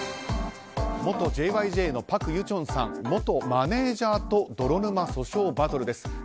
元ＪＹＪのパク・ユチョンさん元マネジャーと泥沼訴訟バトルです。